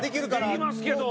できますけど。